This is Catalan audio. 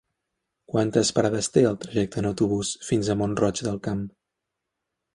Quantes parades té el trajecte en autobús fins a Mont-roig del Camp?